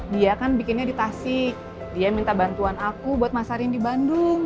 dia kan bikinnya di tasik dia minta bantuan aku buat masarin di bandung